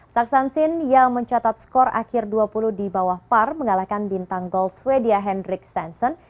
saksansin yang mencatat skor akhir dua puluh di bawah par mengalahkan bintang gold sweden hendrik stanson